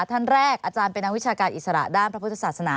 ท่านแรกอาจารย์เป็นนักวิชาการอิสระด้านพระพุทธศาสนา